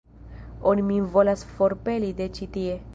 Oni min volas forpeli de ĉi tie.